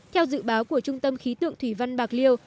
theo dự báo của trung tâm khí tượng thủy văn bạc liêu